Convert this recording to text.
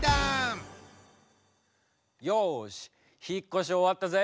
よし引っ越し終わったぜ。